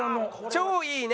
「超いいね」。